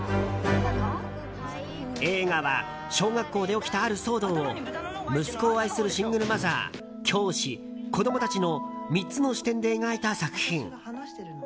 映画は小学校で起きたある騒動を息子を愛するシングルマザー教師、子供たちの３つの視点で描いた作品。